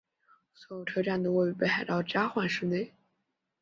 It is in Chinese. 所有车站都位于北海道札幌市内。